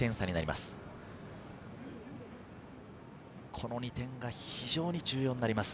この２点が非常に重要になります。